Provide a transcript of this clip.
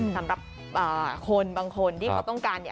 สำหรับคนบางคนที่เขาต้องการ